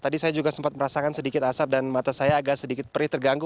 tadi saya juga sempat merasakan sedikit asap dan mata saya agak sedikit perih terganggu